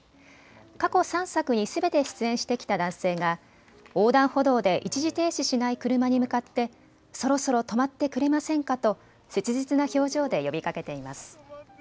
過去３作にすべて出演してきた男性が横断歩道で一時停止しない車に向かって、そろそろ止まってくれませんかと切実な表情で呼びかけています。